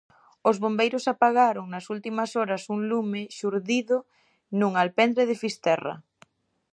Os bombeiros apagaron nas últimas horas un lume xurdido nun alpendre de Fisterra.